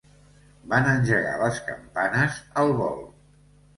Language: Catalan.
Van engegar les campanes al vol.